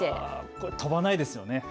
これ飛ばないですよね。